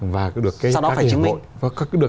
và cứ được